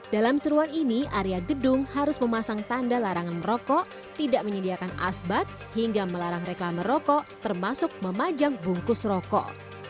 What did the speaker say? dalam seruan ini area gedung harus memasang tanda larangan merokok tidak menyediakan asbat hingga melarang reklama rokok termasuk memajang bungkus rokok